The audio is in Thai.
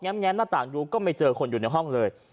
แม้มหน้าต่างดูก็ไม่เจอคนอยู่ในห้องเลย